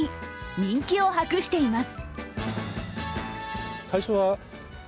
人気を博しています。